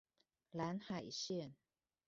藍海線